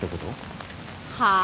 はあ？